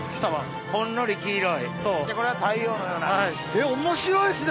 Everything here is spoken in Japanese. ほんのり黄色い。